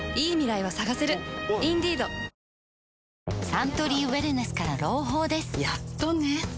サントリーウエルネスから朗報ですやっとね